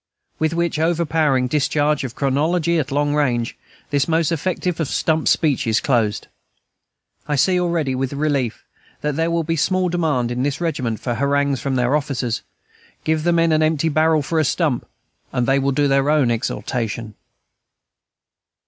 With which overpowering discharge of chronology at long range, this most effective of stump speeches closed. I see already with relief that there will be small demand in this regiment for harangues from the officers; give the men an empty barrel for a stump, and they will do their own exhortation.